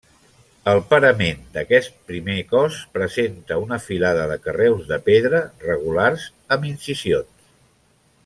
El parament d'aquest primer cos presenta una filada de carreus de pedra regulars amb incisions.